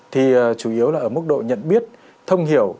thì chủ yếu là ở mức độ nhận biết thông hiểu